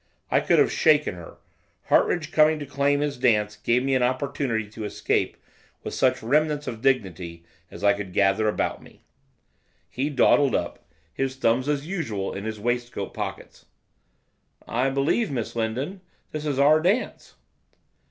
I could have shaken her. Hartridge coming to claim his dance gave me an opportunity to escape with such remnants of dignity as I could gather about me. He dawdled up, his thumbs, as usual, in his waistcoat pockets. 'I believe, Miss Lindon, this is our dance.